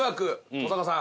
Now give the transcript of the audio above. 登坂さん。